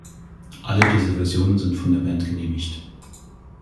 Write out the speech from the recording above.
Alle diese Versionen sind von der Band genehmigt.